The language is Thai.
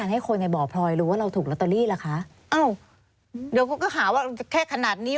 อ้าวเดี๋ยวก็หาว่าแค่ขนาดนี้